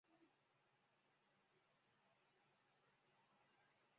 车站附近规划有现代物流区。